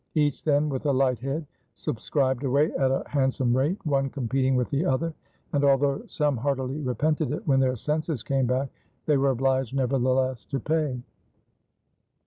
Each, then, with a light head, subscribed away at a handsome rate, one competing with the other; and although some heartily repented it when their senses came back, they were obliged nevertheless to pay."